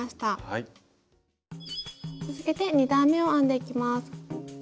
続けて２段めを編んでいきます。